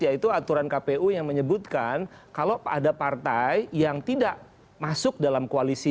yaitu aturan kpu yang menyebutkan kalau ada partai yang tidak masuk dalam koalisi